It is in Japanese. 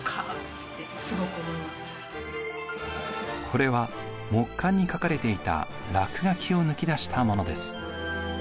これは木簡に描かれていた落書きを抜き出したものです。